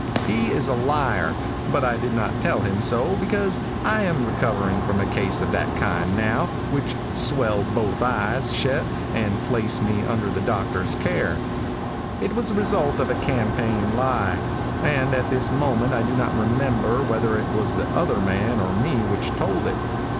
He is a liar; but I did not tell him so because I am just recovering from a case of that kind now, which swelled both eyes shet and placed me under the doctor's care. "It was the result of a campaign lie, and at this moment I do not remember whether it was the other man or me which told it.